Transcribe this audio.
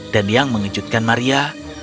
dan yang mengejutkan maria